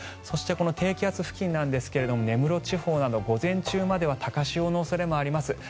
そして、この低気圧付近ですが根室地方など午前中までは高潮の恐れもあります。